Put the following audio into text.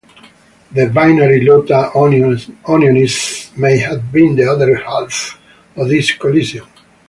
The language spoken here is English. The binary Iota Orionis may have been the other half of this collision.